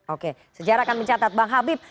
oke sejarah akan mencatat bang habib